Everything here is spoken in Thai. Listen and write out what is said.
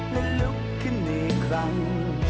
และลุกขึ้นอีกครั้ง